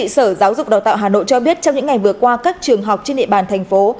sở giáo dục đào tạo hà nội cho biết trong những ngày vừa qua các trường học trên địa bàn thành phố